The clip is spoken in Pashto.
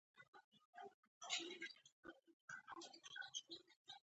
د خټکي خوړل د عصبي سیستم لپاره ګټور دي.